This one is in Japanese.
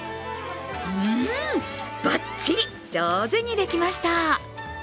うん！バッチリ上手にできました。